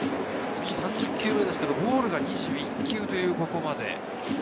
次が３０球目ですが、ボールが２１球というここまでです。